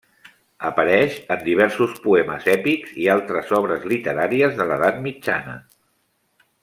Apareix en diversos poemes èpics i altres obres literàries de l'edat mitjana.